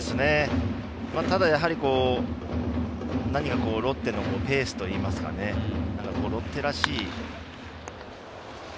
ただ、やはり何かロッテのペースといいますかねロッテらしい。